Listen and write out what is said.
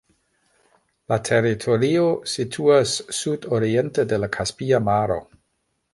La teritorio situas sudoriente de la Kaspia Maro.